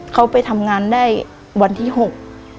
เขาไปทำงานได้วันที่หก